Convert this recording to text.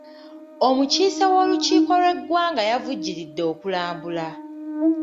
Omukiise w'olukiiko lw'eggwanga yavujjiridde okulambula.